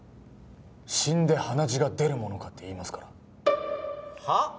死んで鼻血が出るものかっていいますからはあ？